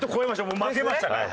もう負けましたから。